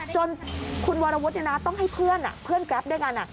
จนคุณวารวุฒิเนี่ยนะต้องให้เพื่อนกราฟด้วยกัน